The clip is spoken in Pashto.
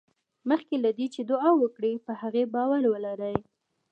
مخکې له دې چې دعا وکړې په هغې باور ولرئ.